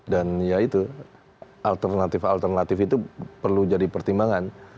ya itu alternatif alternatif itu perlu jadi pertimbangan